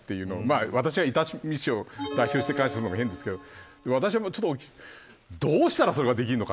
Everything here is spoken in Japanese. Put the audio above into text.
私が伊丹市を代表して感謝するのは、変ですけどどうしたら、それができるのか。